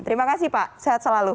terima kasih pak sehat selalu